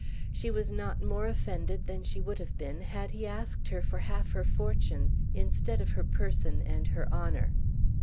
She was not more offended than she would have been had he asked her for half her fortune instead of her person and her honour.